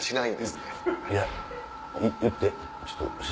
いや。